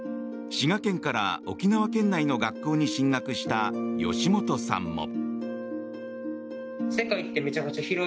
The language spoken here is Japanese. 滋賀県から沖縄県内の学校に進学した吉本さんも。